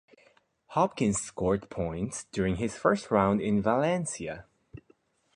Hopkins scored points during his first round in Valencia.